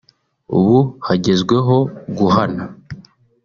ubu hagezweho guhana